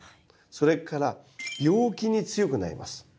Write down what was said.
それから病気に強くなります。